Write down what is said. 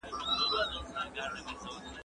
که مېرمني د اطاعت ژمنه وکړه نو ګوزاره ورسره وکړئ.